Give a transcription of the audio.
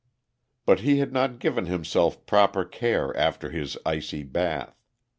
But he had not given himself proper care after his icy bath.